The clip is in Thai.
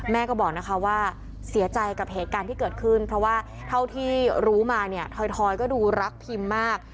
แม่ก็บอกนะคะว่าเสียใจกับเหตุการณ์ที่เกิดขึ้นเพราะว่าเท่าที่รู้มาเนี่ยทอยก็ดูรักพิมมาก